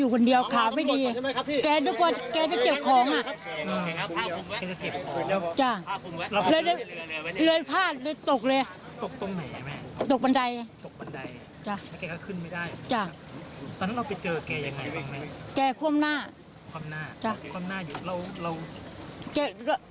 ความหน้าความหน้าอยู่เรา